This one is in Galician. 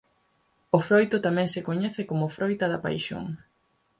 O froito tamén se coñece coma froita da paixón.